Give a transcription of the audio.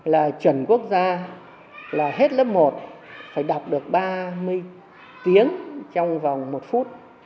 là chuẩn quốc gia là hết lớp một phải đọc được ba mươi tiếng trong vòng một phút